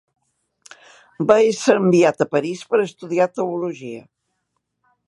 Va ésser enviat a París per estudiar teologia.